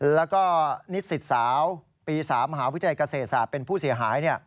แล้วก็นิสิตสาวปี๓มหาวิทยาลัยเกษตรศาสตร์เป็นผู้เสียหาย